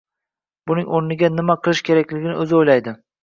Buni oʻrniga, nima qilish kerakligini oʻzi oʻylaydi.